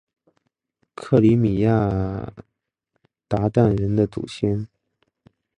克里米亚鞑靼人的先祖？